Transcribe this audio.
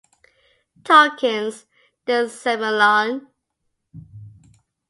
Tolkien's "The Silmarillion".